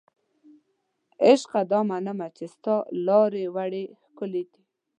عشقه دا منمه چې ستا لارې واړې ښکلې دي